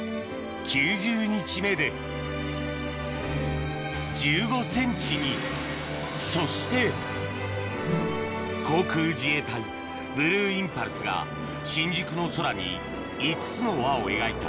９０日目で１５ｃｍにそして航空自衛隊ブルーインパルスが新宿の空に５つの輪を描いた